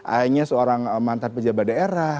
hanya seorang mantan pejabat daerah